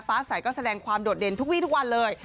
ฟ้าใสก็แสดงความโดดเด่นทุกวีทุกวันเลย